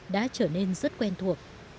đã trở nên rất quen thuộc